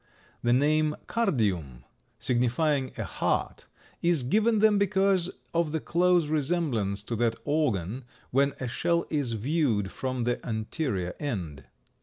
The name Cardium, signifying a heart, is given them because of the close resemblance to that organ when a shell is viewed from the anterior end.